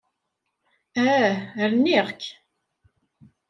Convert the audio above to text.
Ah! Rniɣ-k.